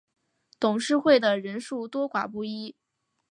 董事会的人数多寡不一。